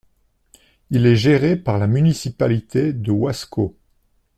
Il est géré par la municipalité de Huasco.